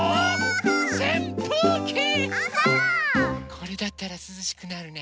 これだったらすずしくなるね。